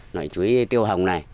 loại chuối tiêu hồng này